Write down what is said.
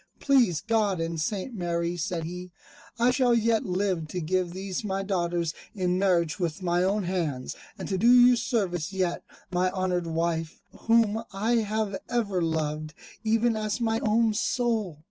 "Please God and St. Mary," said he, "I shall yet live to give these my daughters in marriage with my own hands, and to do you service yet, my honoured wife, whom I have ever loved, even as my own soul."